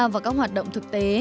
vào các hoạt động thực tế